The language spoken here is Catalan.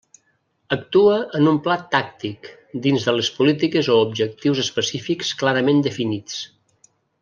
Actua en un pla tàctic, dins de les polítiques o objectius específics clarament definits.